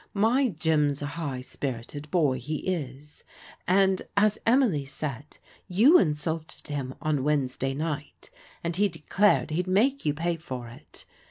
My Jim's a high spirited boy, he is, and as Emily said| you insulted him on Wednesday night, and he declared he'd make you pay for it.